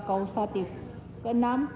kepada hukum pidana